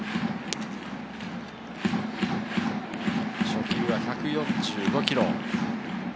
初球は１４５キロ。